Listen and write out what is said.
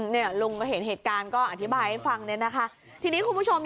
เนี่ยลุงก็เห็นเหตุการณ์ก็อธิบายให้ฟังเนี่ยนะคะทีนี้คุณผู้ชม